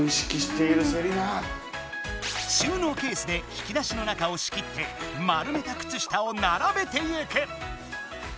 収納ケースで引き出しの中をし切ってまるめたくつ下をならべていく。